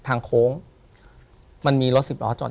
ถูกต้องไหมครับถูกต้องไหมครับ